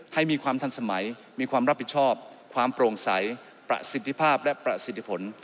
ให้มีความทันสมัยมีความรับผิดชอบความโปร่งใสประสิทธิภาพและประสิทธิผล